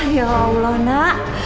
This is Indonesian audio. ya allah nak